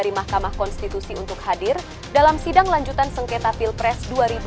di mahkamah konstitusi untuk hadir dalam sidang lanjutan sengketa pilpres dua ribu dua puluh